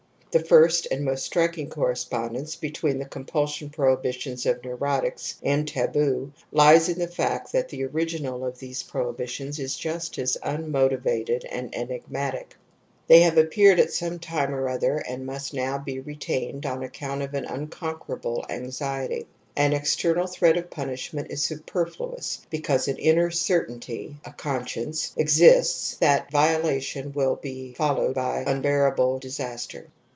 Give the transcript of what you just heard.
The first and most striking correspondence between the compulsion prohibitions of neu rotics and taboo lies in the fact that tbe OTJgin ofthese prohibitions_is jii st astimno^^ and emgmatic. They have appeared at some time or other and must now he rptftined on account fyp^n nrif>nnq^]f;fAhlp ai^yipfy An external/ threat of punishment is superfluous, because an! inner certainty (a conscience) exists that viola tion will be followed by unbearable disaster.